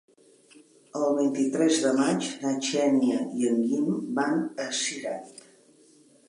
El vint-i-tres de maig na Xènia i en Guim van a Cirat.